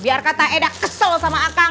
biar kata edak kesel sama akang